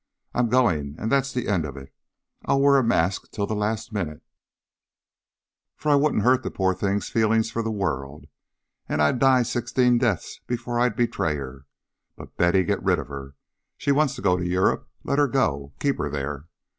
I'm going, and that is the end of it. I'll wear a mask till the last minute, for I wouldn't hurt the poor thing's feelings for the world. And I'd die sixteen deaths before I'd betray her. But, Betty, get rid of her. She wants to go to Europe. Let her go. Keep her there.